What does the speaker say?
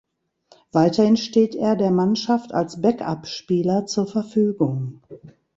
Weiterhin steht er der Mannschaft als Backup-Spieler zur Verfügung.